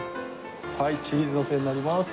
はいチーズのせになります。